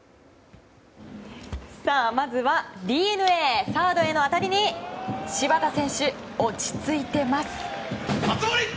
まずはＤｅＮＡサードへの当たりに、柴田選手落ち着いています。